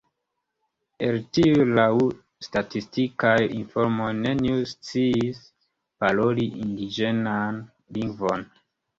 El tiuj laŭ la statistikaj informoj neniu sciis paroli indiĝenan lingvon.